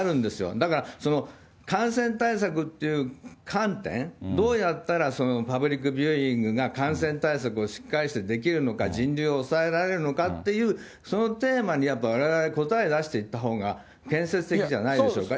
だから、感染対策っていう観点、どうやったらそのパブリックビューイングが、感染対策をしっかりしてできるのか、人流を抑えられるのかっていう、そのテーマにやっぱわれわれ、答え出していったほうが、建設的じゃないでしょうか。